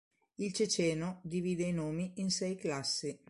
Il ceceno divide i nomi in sei classi.